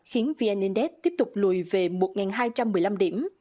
khiến vnintex tiếp tục lùi về một hai trăm một mươi năm điểm